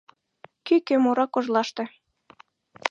Кӱкӧ мура кожлаште.